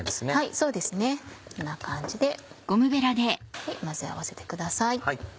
そうですねこんな感じで混ぜ合わせてください。